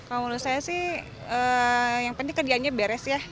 kalau menurut saya sih yang penting kerjaannya beres ya